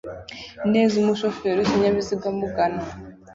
neza umushoferi wikinyabiziga amugana.